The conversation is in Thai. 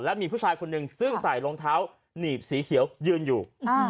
มีผู้ชายคนหนึ่งซึ่งใส่รองเท้าหนีบสีเขียวยืนอยู่